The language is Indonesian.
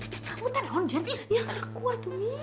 shh kamu tahan jadi yang ngaku atomi